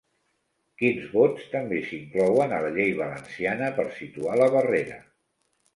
Quins vots també s'inclouen a la llei valenciana per situar la barrera?